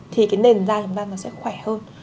thì cái nền da chúng ta nó sẽ khỏe hơn